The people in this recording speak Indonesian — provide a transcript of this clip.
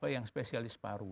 yang spesialis paru